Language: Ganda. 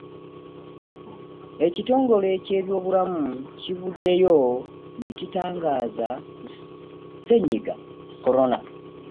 Ekitongole ky'ebyobulamu kivuddeyo ne kitangaaza ku ssennyiga Corona.